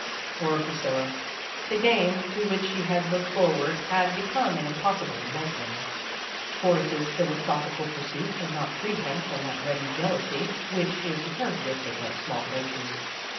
'' Poor Priscilla! The game to which she had looked forward had become an impossible night mare. Horace's philosophical pursuits had not freed him from that ready jealousy which is the characteristic of small natures.